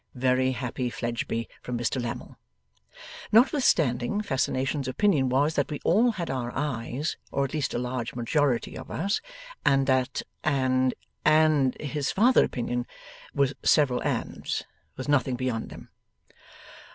['Very happy, Fledgeby!' from Mr Lammle.) Notwithstanding, Fascination's opinion was that we all had our eyes or at least a large majority of us and that and and his farther opinion was several ands, with nothing beyond them.